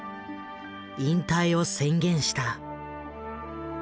引退を宣言した。